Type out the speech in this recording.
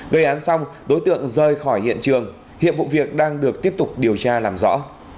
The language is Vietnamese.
gây án xong đối tượng rời khỏi hiện trường hiện vụ việc đang được tiếp tục điều tra làm rõ